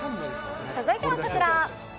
続いてはこちら。